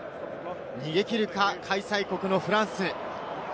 逃げ切るか、開催国のフランス。